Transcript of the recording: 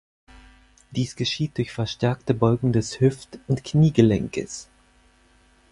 Dies geschieht durch verstärkte Beugung des Hüft- und Kniegelenkes.